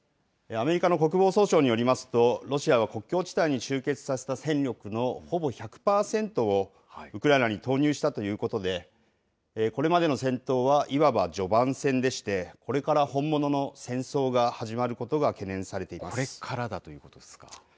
アメリカの国防総省によりますと、ロシアの国境地帯に集結させた戦力のほぼ１００％をウクライナに投入したということで、これまでの戦闘はいわば序盤戦でして、これから本物の戦争が始まこれからだということですか。